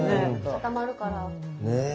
固まるから。ね。